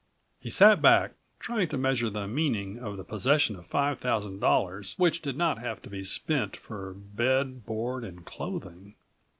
He sat back trying to measure the meaning of the possession of five thousand dollars which did not have to be spent for bed, board and clothing.